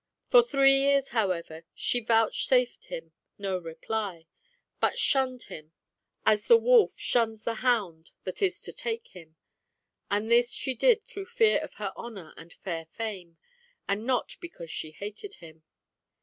For three years, however, she vouchsafed him no reply, but shunned him as the wolf shuns the hound that is to take him ; and this she did through fear for her honour and fair fame, and not because she hated him.